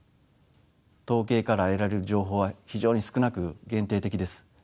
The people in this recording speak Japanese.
統計から得られる情報は非常に少なく限定的です。